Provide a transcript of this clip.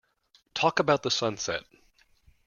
Talk about the sunset.